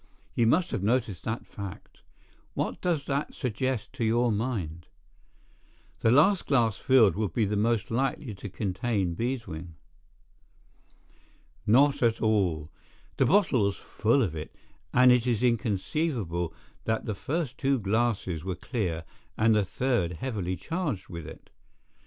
You must have noticed that fact. What does that suggest to your mind?" "The last glass filled would be most likely to contain beeswing." "Not at all. The bottle was full of it, and it is inconceivable that the first two glasses were clear and the third heavily charged with it.